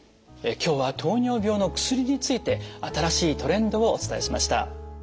今日は糖尿病の薬について新しいトレンドをお伝えしました。